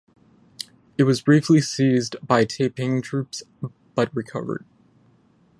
It was briefly seized by Taiping troops but recovered.